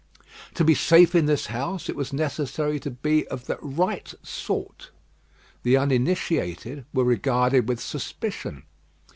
To be safe in this house, it was necessary to be of the "right sort." The uninitiated were regarded with suspicion.